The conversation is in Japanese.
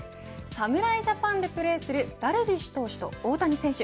侍ジャパンでプレーするダルビッシュ投手と大谷選手。